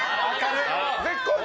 絶好調！